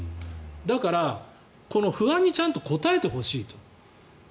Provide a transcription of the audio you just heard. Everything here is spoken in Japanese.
だから、この不安にちゃんと応えてほしいと。